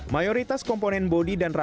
mayoritas komponen bodi dan ratu